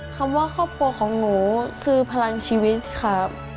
คำว่าครอบครัวของหนูคือพลังชีวิตครับ